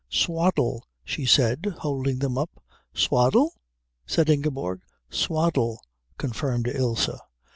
"Swaddle," she said, holding them up. "Swaddle?" said Ingeborg. "Swaddle," confirmed Ilse.